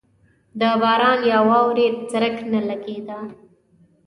د باران یا واورې څرک نه لګېده.